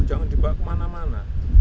jangan dibawa kemana mana